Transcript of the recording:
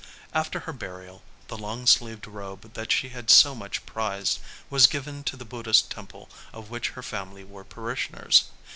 After her burial, the long sleeved robe that she had so much prized was given to the Buddhist temple of which her family were parishioners.